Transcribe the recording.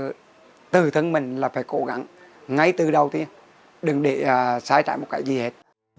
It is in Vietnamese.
nhưng là các bạn không bao giờ từ thân mình là phải cố gắng ngay từ đầu tiên đừng để sai trải một cái gì hết